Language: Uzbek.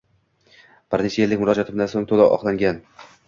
Bir necha yillik murojaatlaridan so‘ng to‘la oqlangan